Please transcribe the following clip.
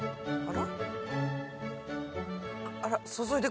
あら？